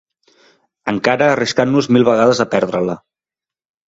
encara arriscant-nos mil vegades a perdre-la